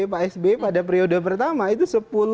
pak sby pada periode pertama itu